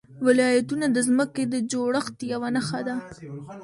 ولایتونه د ځمکې د جوړښت یوه نښه ده.